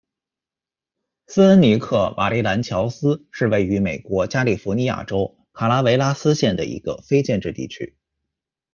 斯恩尼克瓦利兰乔斯是位于美国加利福尼亚州卡拉韦拉斯县的一个非建制地区。